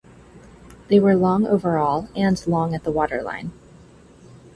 They were long overall and long at the waterline.